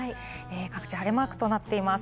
各地、晴れマークとなっています。